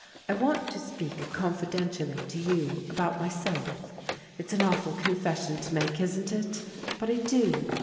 I want to speak confidentially to you about myself. It's an awful confession to make, isn't it? but I do.